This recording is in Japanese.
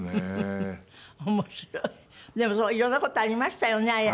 でもいろんな事ありましたよねあれ。